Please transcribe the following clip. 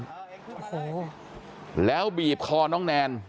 กลับไปลองกลับ